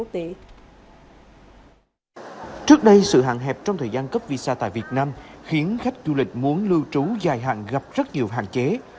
trước đây sự hạn hẹp trong thời gian cấp visa tại việt nam khiến khách du lịch muốn lưu trú dài hạn gặp rất nhiều hạn chế